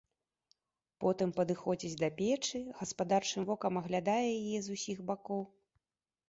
Потым падыходзіць да печы, гаспадарчым вокам аглядае яе з усіх бакоў.